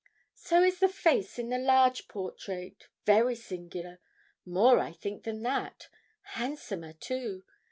'So is the face in the large portrait very singular more, I think, than that handsomer too.